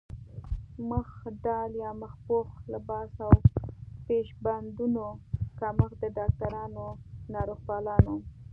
مخ ډال يا مخ پوښ، لباس او پيش بندونو کمښت د ډاکټرانو، ناروغپالانو